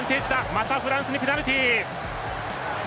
またフランスにペナルティー。